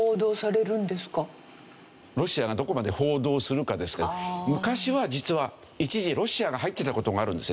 ロシアがどこまで報道するかですが昔は実は一時ロシアが入ってた事があるんですよね。